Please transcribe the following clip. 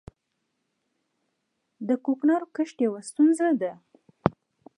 د کوکنارو کښت یوه ستونزه ده